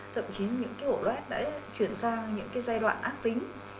thậm chí những kiểu lét đã chuyển sang những giai đoạn ác tính